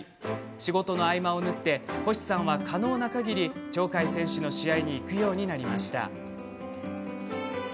仕事の合間を縫って、星さんは可能なかぎり鳥海選手の試合に行くようになりました。